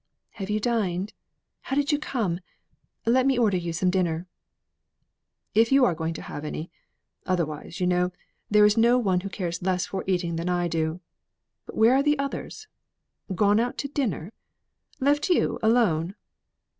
"Have you dined? How did you come? Let me order you some dinner." "If you're going to have any. Otherwise, you know, there is no one who cares less for eating than I do. But where are the others? Gone out to dinner? Left you alone?"